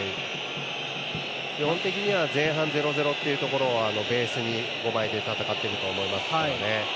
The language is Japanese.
基本的には前半０−０というところをベースに戦っていると思いますよね。